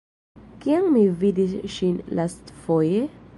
Kiam mi vidis ŝin lastfoje?